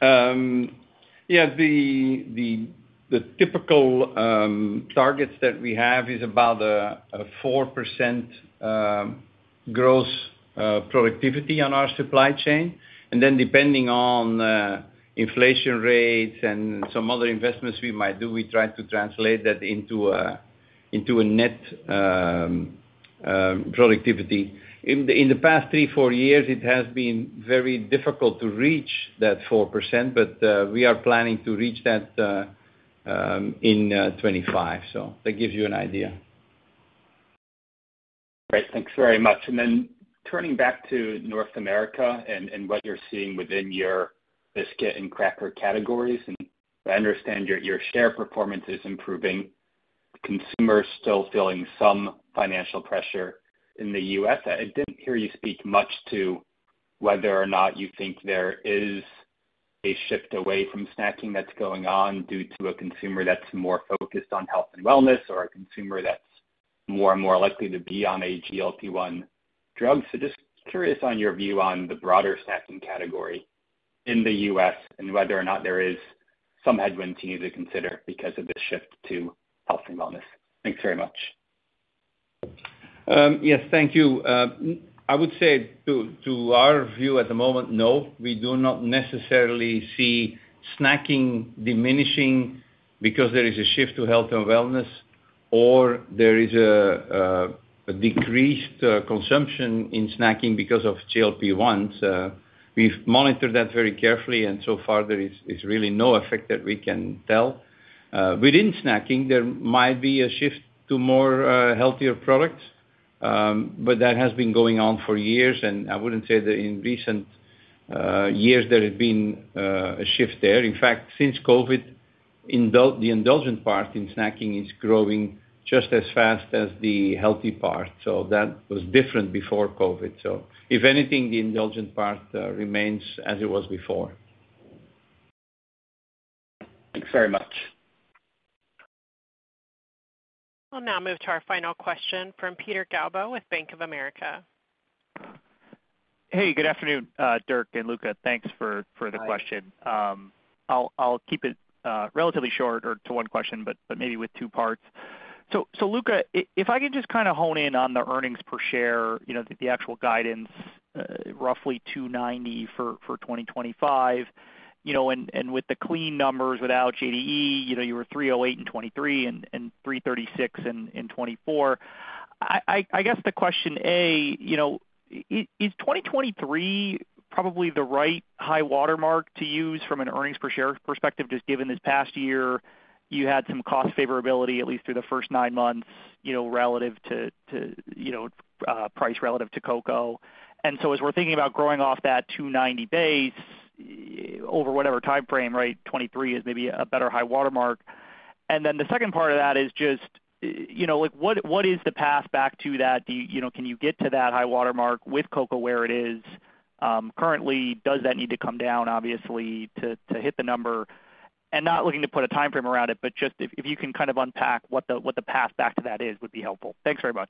Yeah. The typical targets that we have is about a 4% gross productivity on our supply chain. And then depending on inflation rates and some other investments we might do, we try to translate that into a net productivity. In the past three, four years, it has been very difficult to reach that 4%, but we are planning to reach that in 2025. So that gives you an idea. Great. Thanks very much. And then turning back to North America and what you're seeing within your biscuit and cracker categories, and I understand your share performance is improving. Consumers are still feeling some financial pressure in the U.S. I didn't hear you speak much to whether or not you think there is a shift away from snacking that's going on due to a consumer that's more focused on health and wellness or a consumer that's more and more likely to be on a GLP-1 drug. So just curious on your view on the broader snacking category in the U.S. and whether or not there is some headwinds you need to consider because of this shift to health and wellness. Thanks very much. Yes. Thank you. I would say to our view at the moment, no, we do not necessarily see snacking diminishing because there is a shift to health and wellness or there is a decreased consumption in snacking because of GLP-1s. We've monitored that very carefully, and so far there is really no effect that we can tell. Within snacking, there might be a shift to more healthier products, but that has been going on for years. And I wouldn't say that in recent years there has been a shift there. In fact, since COVID, the indulgent part in snacking is growing just as fast as the healthy part. So that was different before COVID. So if anything, the indulgent part remains as it was before. Thanks very much. We'll now move to our final question from Peter Galbo with Bank of America. Hey, good afternoon, Dirk and Luca. Thanks for the question. I'll keep it relatively short or to one question, but maybe with two parts. So Luca, if I can just kind of hone in on the earnings per share, the actual guidance, roughly $2.90 for 2025. With the clean numbers without JDE, you were 3.08 in 2023 and 3.36 in 2024. I guess the question A, is 2023 probably the right high-water mark to use from an earnings per share perspective? Just given this past year, you had some cost favorability at least through the first nine months relative to price relative to cocoa. And so as we're thinking about growing off that 290 base over whatever time frame, right, 2023 is maybe a better high-water mark. And then the second part of that is just what is the path back to that? Can you get to that high-water mark with cocoa where it is currently? Does that need to come down, obviously, to hit the number? And not looking to put a time frame around it, but just if you can kind of unpack what the path back to that is would be helpful. Thanks very much.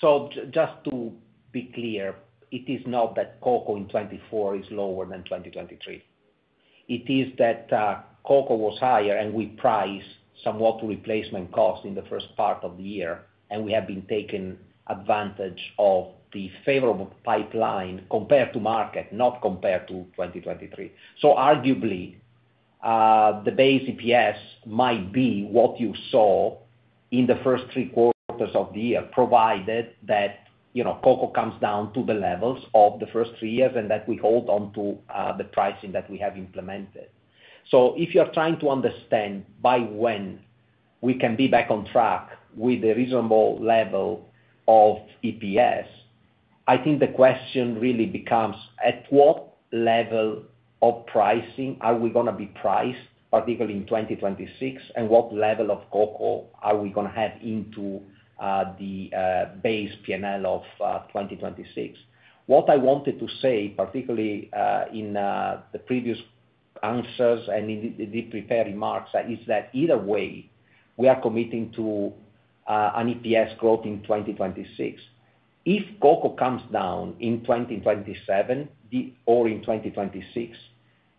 So just to be clear, it is not that cocoa in 2024 is lower than 2023. It is that cocoa was higher and we priced some raw material replacement costs in the first part of the year, and we have been taking advantage of the favorable pipeline compared to market, not compared to 2023, so arguably, the base EPS might be what you saw in the first three quarters of the year, provided that cocoa comes down to the levels of the first three quarters and that we hold on to the pricing that we have implemented. So if you're trying to understand by when we can be back on track with a reasonable level of EPS, I think the question really becomes at what level of pricing are we going to be priced, particularly in 2026, and what level of cocoa are we going to have into the base P&L of 2026? What I wanted to say, particularly in the previous answers and in the prepared remarks, is that either way, we are committing to an EPS growth in 2026. If cocoa comes down in 2027 or in 2026,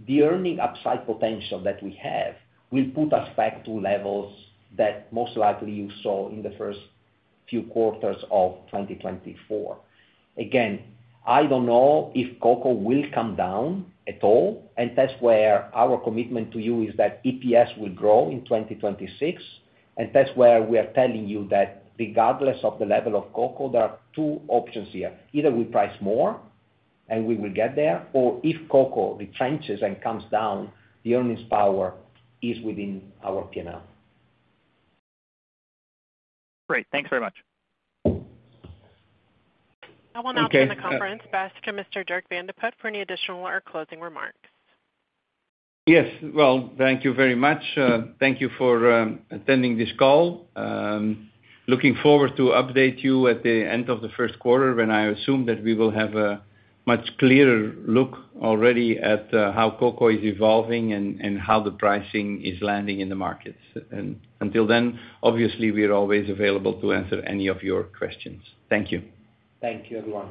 the earning upside potential that we have will put us back to levels that most likely you saw in the first few quarters of 2024. Again, I don't know if cocoa will come down at all. And that's where our commitment to you is that EPS will grow in 2026. That's where we are telling you that regardless of the level of cocoa, there are two options here. Either we price more and we will get there, or if cocoa retrenches and comes down, the earnings power is within our P&L. Great. Thanks very much. I will now turn the conference back to Mr. Dirk Van de Put for any additional or closing remarks. Yes. Well, thank you very much. Thank you for attending this call. Looking forward to update you at the end of the first quarter when I assume that we will have a much clearer look already at how cocoa is evolving and how the pricing is landing in the markets. And until then, obviously, we are always available to answer any of your questions. Thank you. Thank you, everyone.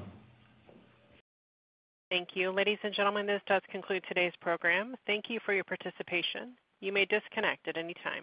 Thank you. Ladies and gentlemen, this does conclude today's program. Thank you for your participation. You may disconnect at any time.